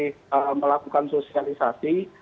kita masih melakukan sosialisasi